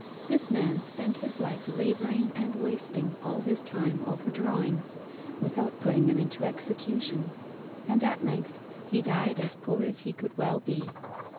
This man spent his life labouring and wasting all his time over drawings, without putting them into execution; and at length he died as poor as he could well be.